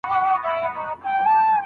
نظافت باید له پامه ونه غورځول سي.